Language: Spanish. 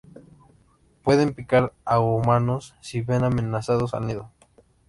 Pueden picar a humanos si ven amenazado el nido.